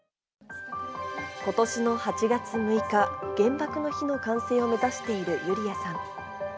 ことしの８月６日原爆の日の完成を目指しているユリヤさん。